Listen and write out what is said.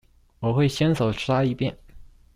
我會先手篩一遍